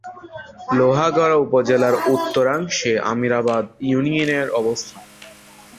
লোহাগাড়া উপজেলার উত্তরাংশে আমিরাবাদ ইউনিয়নের অবস্থান।